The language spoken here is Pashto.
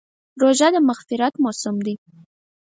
روژه د مغفرت موسم دی.